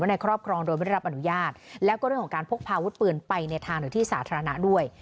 ในครอบครองโดยไม่ได้รับอนุญาตแล้วก็เรื่องของการพกพาอาวุธปืนไปในทางหรือที่สาธารณะด้วย